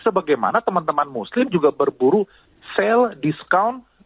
sebagaimana teman teman muslim juga berburu sale discount